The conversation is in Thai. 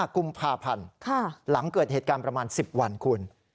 กุมภาพันธ์หลังเกิดเหตุการณ์ประมาณ๑๐วันคุณ